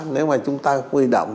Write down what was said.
nếu mà chúng ta huy động